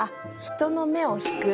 「人の目を引く」。